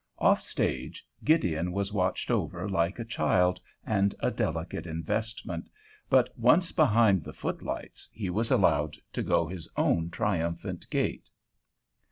Off stage Gideon was watched over like a child and a delicate investment, but once behind the footlights he was allowed to go his own triumphant gait.